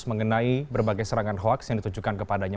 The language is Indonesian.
mengenai berbagai serangan hoaks yang ditujukan kepadanya